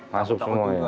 masuk semua ya